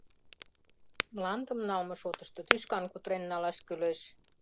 — Мландым налме шотышто тӱшкан кутырен налаш кӱлеш.